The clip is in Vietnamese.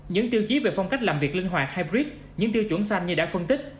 những tiêu chí về phong cách làm việc linh hoạt haybrid những tiêu chuẩn xanh như đã phân tích